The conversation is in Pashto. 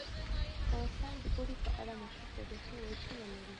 افغانستان د اوړي په اړه مشهور تاریخی روایتونه لري.